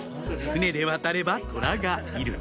「船で渡ればトラがいる」